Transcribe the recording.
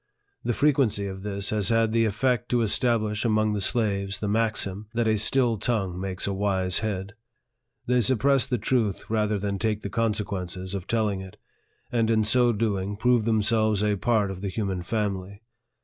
The frequency of this has had the effect to establish among the slaves the maxim, that a still tongue makes a wise head. They suppress the truth rather than take the consequences of telling it, and in so doing prove themselves a part of the human family.